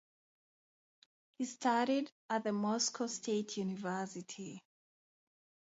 He studied at the Moscow State University.